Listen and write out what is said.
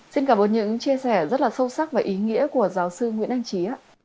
xin cảm ơn những chia sẻ rất là sâu sắc và ý nghĩa của giáo sư nguyễn anh trí ạ